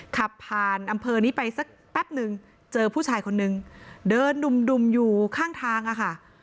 ขับผ่านอำเภอนี้ไปสักแป๊บนึงเจอผู้ชายคนนึงเดินดุ่มอยู่ข้างทางอะค่ะ